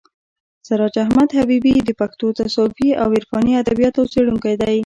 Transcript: سراج احمد حبیبي د پښتو تصوفي او عرفاني ادبیاتو څېړونکی دی.